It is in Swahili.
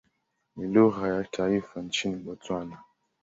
Ni lugha ya taifa nchini Botswana.